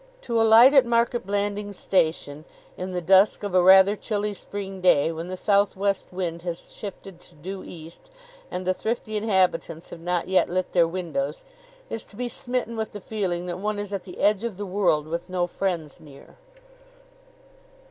To alight at Market Blandings Station in the dusk of a rather chilly Spring day, when the southwest wind has shifted to due east and the thrifty inhabitants have not yet lit their windows, is to be smitten with the feeling that one is at the edge of the world with no friends near.